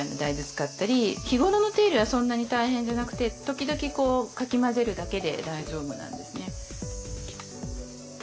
日頃の手入れはそんなに大変じゃなくて時々かき混ぜるだけで大丈夫なんですね。